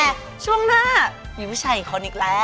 แต่ช่วงหน้ามีผู้ชายอีกคนอีกแล้ว